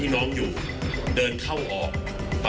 อันดับสุดท้าย